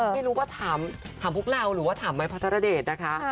ไม่รู้ว่าถามพวกเราหรือว่าถามไม้พระธรเดชนะคะ